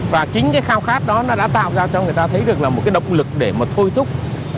và chính cái khao khát đó nó đã tạo ra cho người ta thấy được là một cái động lực để mà thôi thúc